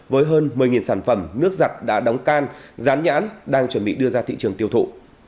với hơn một mươi sản phẩm nước giặt đã đóng can rán nhãn đang chuẩn bị đưa ra thị trường tiêu thụ